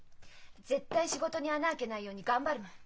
絶対仕事に穴あけないように頑張るもん。